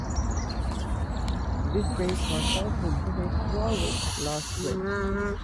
This race was also Derek Warwick's last race.